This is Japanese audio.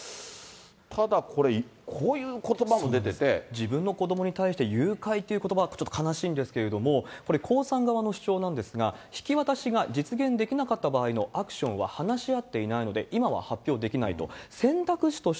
ただこれ、自分の子どもに対して誘拐ということばはちょっと悲しいんですけども、これ、江さん側の主張なんですが、引き渡しが実現できなかった場合のアクションは話し合っていないので、今は発表できないと。